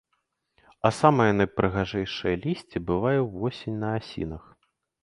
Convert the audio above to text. А самае найпрыгажэйшае лісце бывае ўвосень на асінах.